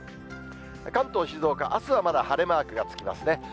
関東、静岡、あすはまだ晴れマークがつきますね。